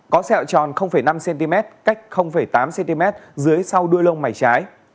có sẹo tròn năm cm cách tám cm dưới sau đuôi lông mày trái